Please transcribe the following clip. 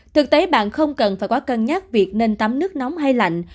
thực tế bạn không cần phải có cân nhắc việc nên tắm nước nóng hay lạnh